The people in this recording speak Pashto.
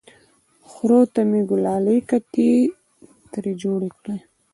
خرو ته مې ګلالۍ کتې ترې جوړې کړې!